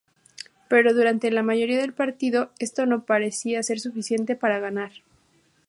Pero durante la mayoría del partido, esto no parecía ser suficiente para ganar.